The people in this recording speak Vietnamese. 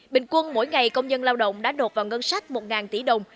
bình quân mỗi ngày công dân lao động đã đột vào ngân sách một tỷ đồng